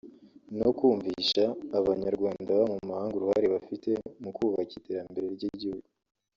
no kumvisha Abanyarwanda baba mu mahanga uruhare bafite mu kubaka iterambere ry’igihugu